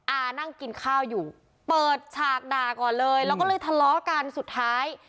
นั่งกินข้าวอยู่เปิดฉากด่าก่อนเลยแล้วก็เลยทะเลาะกันสุดท้าย